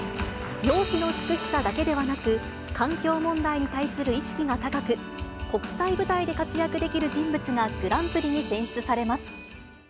容姿の美しさだけではなく、環境問題に対する意識が高く、国際舞台で活躍できる人物がグランプリに選出されます。